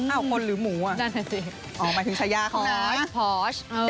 อ้าวคนหรือหมูอ่ะอ๋อหมายถึงชายาคือพอร์ชพอร์ช